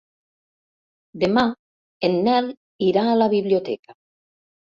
Demà en Nel irà a la biblioteca.